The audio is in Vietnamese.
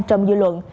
trong dư luận